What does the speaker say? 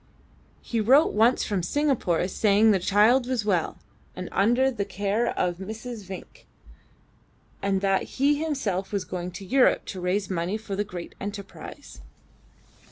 He wrote once from Singapore saying the child was well, and under the care of a Mrs. Vinck, and that he himself was going to Europe to raise money for the great enterprise.